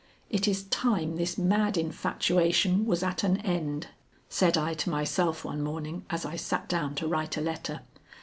"It is time this mad infatuation was at an end," said I to myself one morning as I sat down to write a letter.